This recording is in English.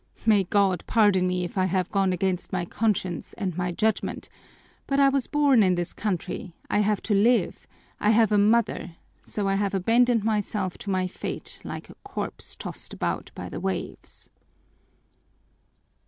May God pardon me if I have gone against my conscience and my judgement, but I was born in this country, I have to live, I have a mother, so I have abandoned myself to my fate like a corpse tossed about by the waves."